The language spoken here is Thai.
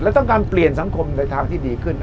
ต้องการเปลี่ยนสังคมในทางที่ดีขึ้น